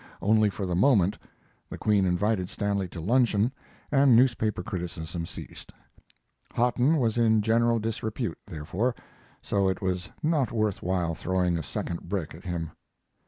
Only for the moment the Queen invited Stanley to luncheon, and newspaper criticism ceased. Hotten was in general disrepute, therefore, so it was not worth while throwing a second brick at him.